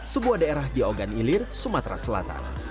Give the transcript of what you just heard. sebuah daerah di ogan ilir sumatera selatan